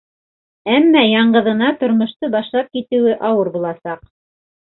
Әммә яңғыҙына тормошто башлап китеүе ауыр буласаҡ.